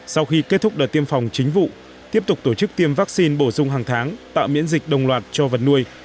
sau khi kết thúc đợt tiêm phòng chính vụ tiếp tục tổ chức tiêm vaccine bổ dung hàng tháng tạo miễn dịch đồng loạt cho vật nuôi